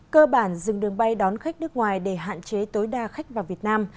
cơ bản dừng đường bay đón khách nước ngoài để hạn chế tối đa khách vào việt nam